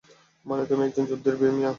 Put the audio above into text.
মানে, তুমি একজন যুদ্ধের বীর, মিয়া।